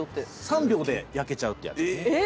３秒で焼けちゃうってやつですね。